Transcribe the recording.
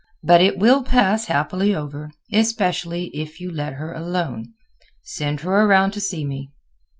But it will pass happily over, especially if you let her alone. Send her around to see me."